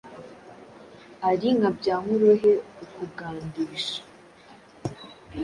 Ari "Nkabyankurohe "ukugandisha !